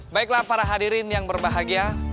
baiklah para hadirin yang berbahagia